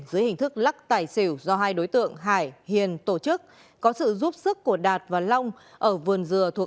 dưới hình thức lắc tài xỉu do hai đối tượng hải hiền tổ chức có sự giúp sức của đạt và long ở vườn dừa thuộc